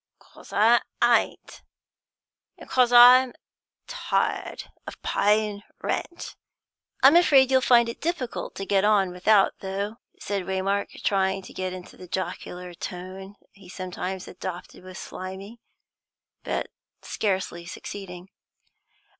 "'Cos I ain't, and 'cos I'm tired o' payin' rent." "I'm afraid you'll find it difficult to get on without, though," said Waymark, trying to get into the jocular tone he sometimes adopted with Slimy, but scarcely succeeding.